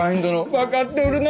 分かっておるな。